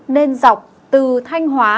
nên dọc từ thanh hóa